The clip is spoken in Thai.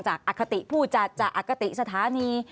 จากอักษัตริย์ผู้จัดจากอักษัตริย์สถานี